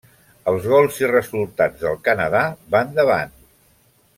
Els gols i resultats del Canadà van davant.